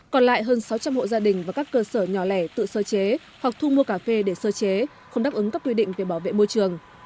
còn lại hơn sáu trăm linh hộ gia đình và các cơ sở nhỏ lẻ tự sơ chế hoặc thu mua cà phê để sơ chế không đáp ứng các quy định về bảo vệ môi trường